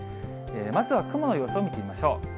まずは雲の様子を見てみましょう。